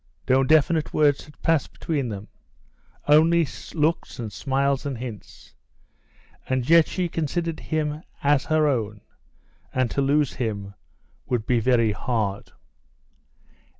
No definite words had passed between them only looks and smiles and hints; and yet she considered him as her own, and to lose him would be very hard.